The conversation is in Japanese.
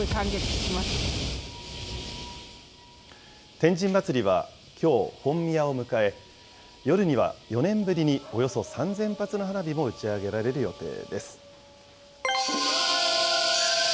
天神祭はきょう、本宮を迎え、夜には４年ぶりに、およそ３０００発の花火も打ち上げられる予定です。